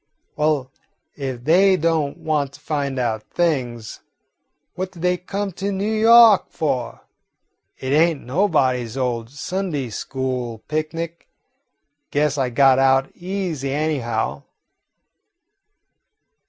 Well, if they don't want to find out things, what do they come to N' Yawk for? It ain't nobody's old Sunday school picnic. Guess I got out easy, anyhow."